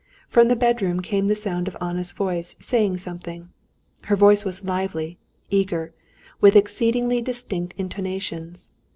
From the bedroom came the sound of Anna's voice saying something. Her voice was lively, eager, with exceedingly distinct intonations.